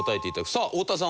さあ太田さん